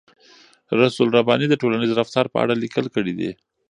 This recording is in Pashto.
رسول رباني د ټولنیز رفتار په اړه لیکل کړي دي.